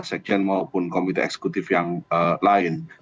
sekjen maupun komite eksekutif yang lain